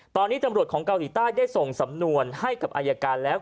ตอนนี้ตำรวจของเกาหลีใต้ได้ส่งสำนวนให้กับอายการแล้ว